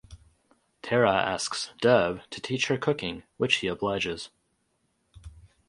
Tara asks Dev to teach her cooking which he obliges.